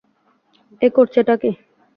এ করছেটা কী?